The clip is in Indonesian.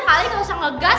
kalian gak usah ngegas